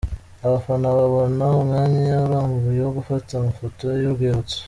Abafana babona umwanya urambuye wo gufata amafoto y'urwibutso.